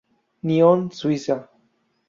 Nyon, Suiza.